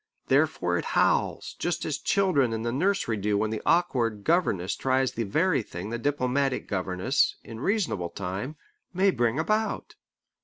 Therefore it howls, just as children in the nursery do when the awkward governess tries the very thing the diplomatic governess, in reasonable time, may bring about.